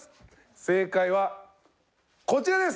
正解はこちらです。